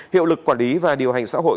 hiệu lực quản lý và điều hành xã hội